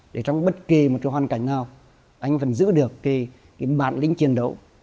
để trong bất kỳ một cái hoàn cảnh nào anh vẫn giữ được cái bản lĩnh chiến đấu